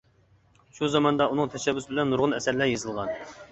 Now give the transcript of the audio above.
شۇ زاماندا ئۇنىڭ تەشەببۇسى بىلەن نۇرغۇن ئەسەرلەر يېزىلغان.